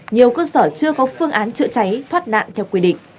nhiều cơ sở chưa có phương án chữa cháy thoát nạn theo quy định